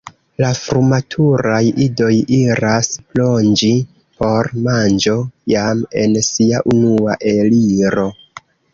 La frumaturaj idoj iras plonĝi por manĝo jam en sia unua eliro.